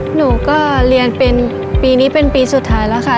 หนูก็เรียนเป็นปีนี้เป็นปีสุดท้ายแล้วค่ะ